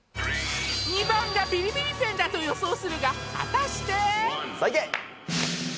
２番がビリビリペンだと予想するが果たしてさあいけ！